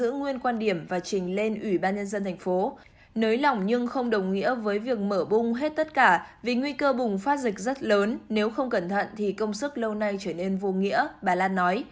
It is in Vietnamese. nới lỏng nhưng không đồng nghĩa với việc mở bung hết tất cả vì nguy cơ bùng phát dịch rất lớn nếu không cẩn thận thì công sức lâu nay trở nên vô nghĩa bà lan nói